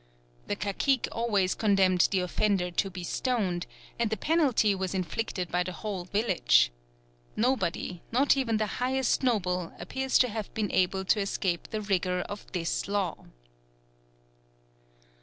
The cacique always condemned the offender to be stoned, and the penalty was inflicted by the whole village. Nobody, not even the highest noble, appears to have been able to escape the rigour of this law.